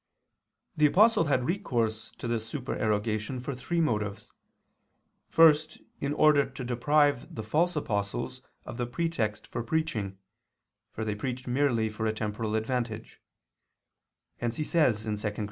The Apostle had recourse to this supererogation for three motives. First, in order to deprive the false apostles of the pretext for preaching, for they preached merely for a temporal advantage; hence he says (2 Cor.